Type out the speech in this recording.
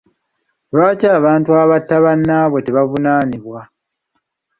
Lwaki abantu abatta bannaabwe tebavunaanibwa?